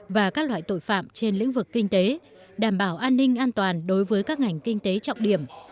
và các loại tội phạm trên lĩnh vực kinh tế đảm bảo an ninh an toàn đối với các ngành kinh tế trọng điểm